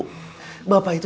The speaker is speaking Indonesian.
menuduh bapak seperti itu